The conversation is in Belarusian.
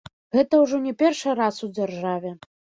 Гэта ўжо не першы раз у дзяржаве.